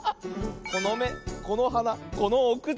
このめこのはなこのおくち。